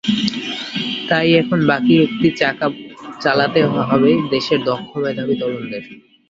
তাই এখন বাকি একটি চাকা চালাতে হবে দেশের দক্ষ, মেধাবী তরুণদের।